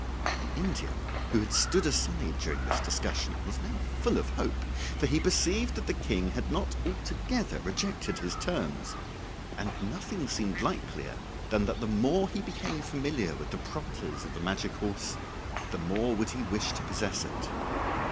The Indian, who had stood aside during this discussion, was now full of hope, for he perceived that the King had not altogether rejected his terms, and nothing seemed likelier than that the more he became familiar with the properties of the magic horse the more would he wish to possess it.